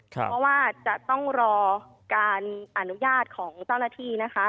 เพราะว่าจะต้องรอการอนุญาตของเจ้าหน้าที่นะคะ